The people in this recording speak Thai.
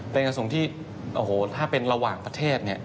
เป็นการส่งที่โอ้โหถ้าเป็นระหว่างประเทศเนี่ย